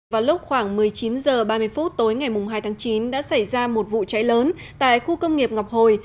vào lúc khoảng một mươi chín h ba mươi phút tối ngày hai tháng chín đã xảy ra một vụ cháy lớn tại khu công nghiệp ngọc hồi